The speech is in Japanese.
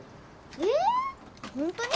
えホントに？